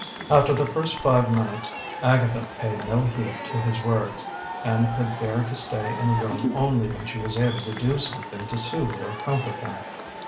After the first five minutes Agatha paid no heed to his words, and could bear to stay in the room only when she was able to do something to soothe or comfort him.